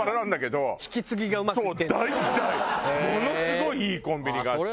ものすごいいいコンビニがあって。